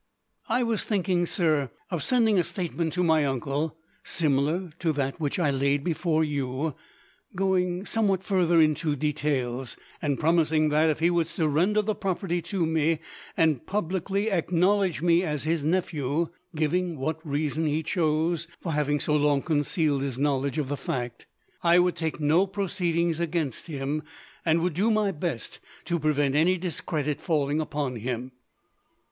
"I was thinking, sir, of sending a statement to my uncle, similar to that which I laid before you, going somewhat further into details, and promising that, if he would surrender the property to me and publicly acknowledge me as his nephew, giving what reason he chose for having so long concealed his knowledge of the fact, I would take no proceedings against him, and would do my best to prevent any discredit falling upon him."